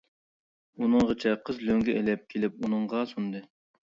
ئۇنىڭغىچە قىز لۆڭگە ئېلىپ كېلىپ ئۇنىڭغا سۇندى.